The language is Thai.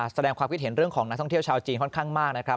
แสดงความคิดเห็นเรื่องของนักท่องเที่ยวชาวจีนค่อนข้างมากนะครับ